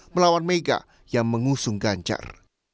melawan mega yang mengusung ganjar